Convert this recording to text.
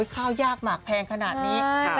ข้าวยากหมากแพงขนาดนี้